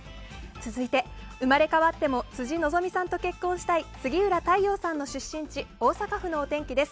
続いて、生まれ変わっても辻希美さんと結婚したい杉浦太陽さんの出身地大阪府のお天気です。